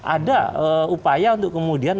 ada upaya untuk kemudian